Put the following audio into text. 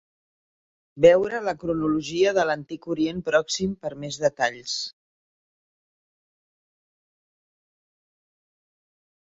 Veure la Cronologia de l'Antic Orient Pròxim per més detalls.